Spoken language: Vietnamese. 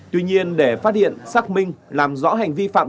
tuy nhiên để phát hiện xác minh làm rõ hành vi phạm tội